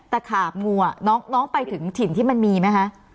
แต่ขาบงูน้องไปถึงถิ่นที่มันมีไหมคะ